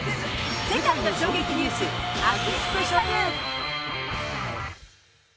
世界の衝撃ニュース、秋スペシャル。